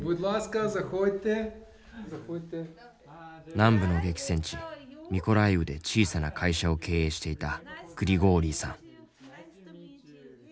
南部の激戦地ミコライウで小さな会社を経営していたグリゴーリイさん。